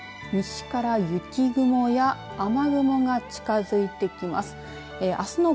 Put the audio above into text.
西から雪雲や雨雲が近づいてきます。